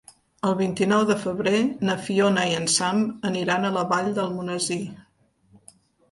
El vint-i-nou de febrer na Fiona i en Sam aniran a la Vall d'Almonesir.